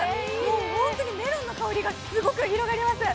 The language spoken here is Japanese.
本当にメロンの香りがすごく広がります。